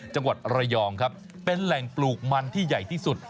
จังหวัดระยองครับเป็นแหล่งปลูกมันที่ใหญ่ที่สุด